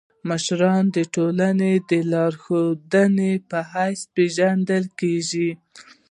مشر د ټولني د لارښود په حيث پيژندل کيږي.